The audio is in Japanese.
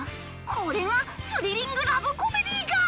これがスリリング・ラブコメディーか！